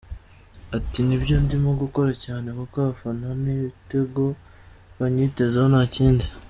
Ati “Nibyo ndimo gukora cyane kuko abafana ni ibitego banyitezeho nta kindi.